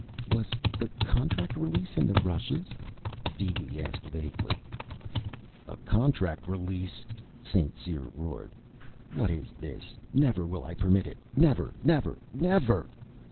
"Was the contract release in the rushes?" DeeDee asked vaguely. "A contract release?" St. Cyr roared. "What is this? Never will I permit it, never, never, never!